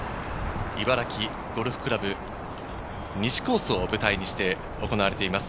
茨城ゴルフ倶楽部・西コースを舞台にして行われています。